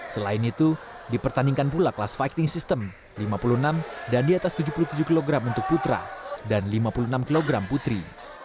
selain itu dipertandingkan pula kelas fighting system lima puluh enam dan di atas tujuh puluh tujuh kg untuk putra dan lima puluh enam kg putri